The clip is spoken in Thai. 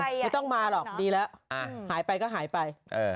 ไม่ต้องมาหรอกดีแล้วหายไปก็หายไป